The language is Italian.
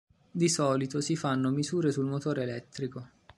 Di solito si fanno misure sul motore elettrico.